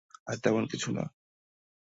আর তেমন কিছু না।